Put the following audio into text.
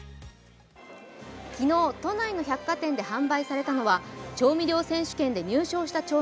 昨日、都内の百貨店で販売されたのは調味料選手権で入賞した販売会です。